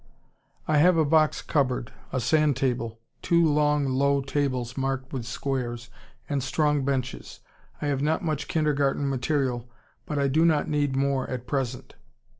I have a box cupboard, a sand table, two long low tables marked with squares, and strong benches. I have not much kindergarten material, but I do not need more at present.